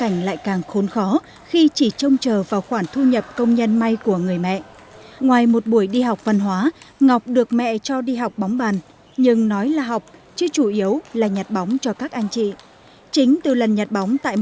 hãy cùng chúng tôi đến với câu chuyện về cô gái này